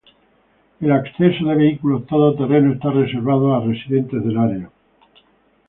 El acceso de vehículos todo terreno está reservado a residentes del área.